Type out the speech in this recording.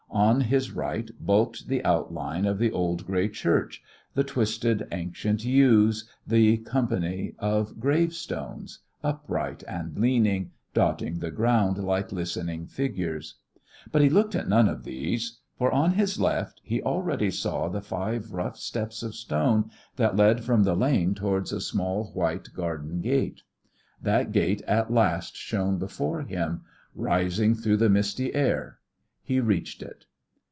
On his right bulked the outline of the old, grey church; the twisted, ancient yews, the company of gravestones, upright and leaning, dotting the ground like listening figures. But he looked at none of these. For, on his left, he already saw the five rough steps of stone that led from the lane towards a small, white garden gate. That gate at last shone before him, rising through the misty air. He reached it.